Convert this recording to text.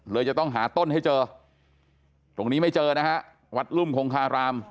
เลยจะต้องหาต้นให้เจอตรงนี้ไม่เจอนะฮะวัดรุ่มคงคาราม